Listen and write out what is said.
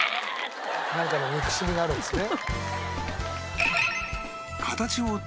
なんかの憎しみがあるんですね。